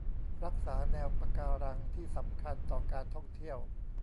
รักษาแนวปะการังที่สำคัญต่อการท่องเที่ยว